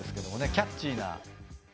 キャッチーな。